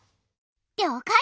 りょうかい！